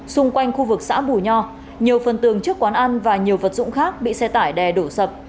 xung quanh khu vực xã bù nho nhiều phần tường trước quán ăn và nhiều vật dụng khác bị xe tải đè đổ sập